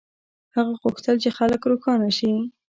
هغه غوښتل چې خلک روښانه شي.